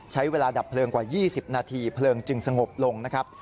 ใช้เวลาดับเพลิงกว่า๒๐นาทีเพลิงจึงสงบลงนะครับ